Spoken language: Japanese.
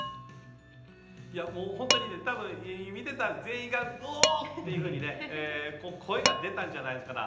本当に、見ていた全員がうおー！っていうふうに声が出たんじゃないですかね。